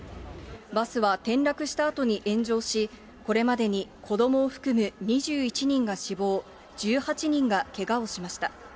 バスは転落したあとに炎上し、これまでに子どもを含む２１人が死亡、１８人がけがをしました。